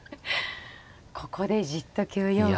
ここでじっと９四歩。